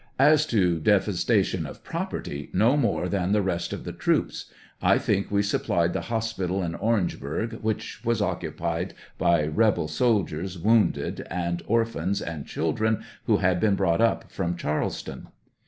As to devastation of property, no more than the rest of the troops ; I think we supplied the hospital in Orangeburg, which was occupied by rebel soldiers wounded, and orphans and children who had been brought up from Charleston.